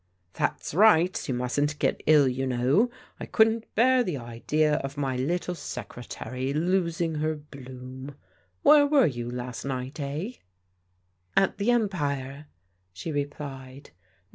" That's right. You mustn't get ill, you know. I couldn't bear the idea of my little secretary losing her bloom. Where were you last night, eh ?" At the Empire," she replied.